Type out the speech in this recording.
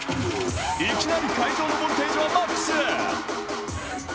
いきなり会場のボルテージはマックス。